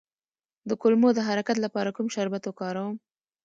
د کولمو د حرکت لپاره کوم شربت وکاروم؟